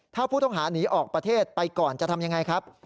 ถ้าผู้ต้องหาหนีออกประเทศไปก่อนจะทำยังไงครับ